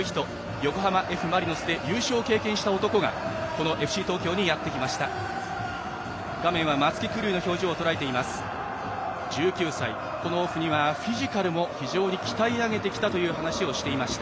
横浜Ｆ・マリノスで優勝を経験した男がこのＦＣ東京にやってきました。